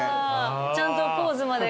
ちゃんとポーズまで。